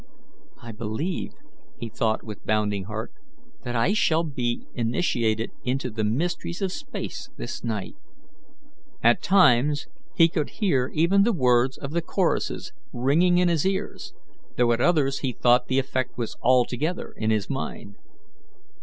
"I believe," he thought, with bounding heart, "that I shall be initiated into the mysteries of space this night." At times he could hear even the words of the choruses ringing in his ears, though at others he thought the effect was altogether in his mind.